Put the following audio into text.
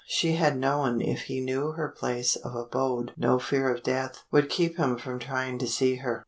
She had known if he knew her place of abode no fear of death would keep him from trying to see her.